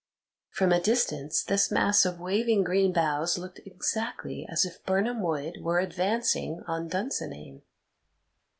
From a distance this mass of waving green boughs looked exactly as if Birnam Wood were advancing on Dunsinane.